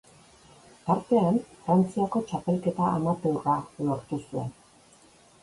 Tartean Frantziako txapelketa amateurra lortu zuen.